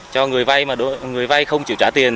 cho người vai mà người vai không chịu trả tiền